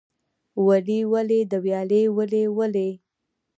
ولي ولې د ویالې ولې ولې؟